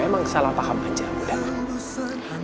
emang salah paham aja